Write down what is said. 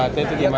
itu gimana pak